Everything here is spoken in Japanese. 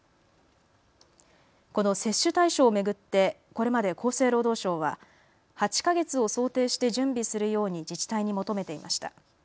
この接種対象を巡ってこれまで厚生労働省は８か月を想定して準備するように自治体に求めていました。